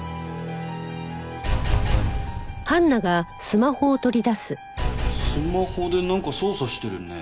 スマホでなんか操作してるね。